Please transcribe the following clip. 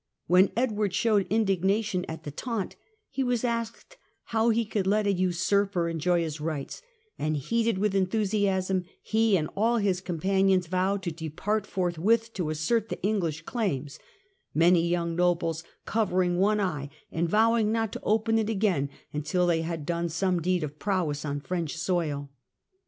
When Edward showed indignation at the taunt, he was asked how he could let a usurper enjoy his rights ; and heated with enthusiasm, he and all his companions vowed to depart forthwith to assert the English claims, many young nobles covering one eye and vowing not to open it again until they had done some deed of prowess on French soil.